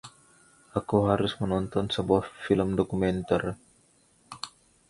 Aku harus menonton sebuah film dokumenter.